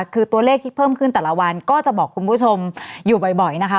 คือตัวเลขที่เพิ่มขึ้นแต่ละวันก็จะบอกคุณผู้ชมอยู่บ่อยนะคะ